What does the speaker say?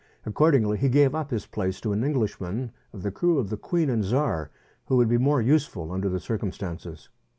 Accordingly, he gave up his place to an Englishman of the crew of the " Queen and Czar," who would be more useful under the circumstances.